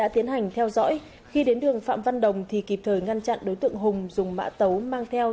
xin chào và hẹn gặp lại trong các video tiếp theo